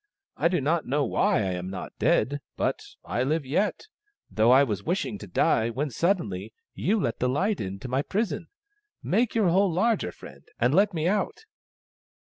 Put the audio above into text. I do not know why I am not dead — but I live yet, though I was wishing to die when suddenly you let the light in to my prison. Make your hole larger, friend, and let me out."